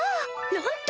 なんと！